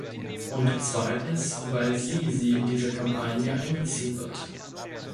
Und zweitens, weil sie sie in diese Kampagne einbeziehen wird.